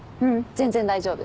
全然大丈夫。